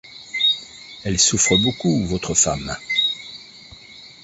Elle souffre beaucoup, votre femme.